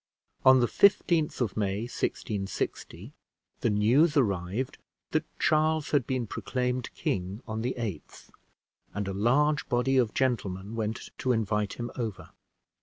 On the 15th of May, 1660, the news arrived that Charles had been proclaimed king on the 8th, and a large body of gentlemen went to invite him over.